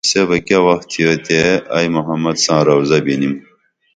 سے بہ کیہ وخ تھیوتے ائی محمد ساں روضہ بِنیم